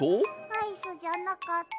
アイスじゃなかった。